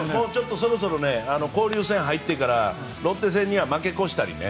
そろそろ交流戦入ってからロッテ戦には負け越したりね。